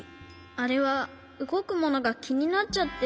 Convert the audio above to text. あれはうごくものがきになっちゃって。